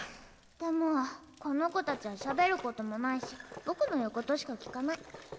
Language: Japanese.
でもこの子たちはしゃべることもないし僕の言うことしか聞かない。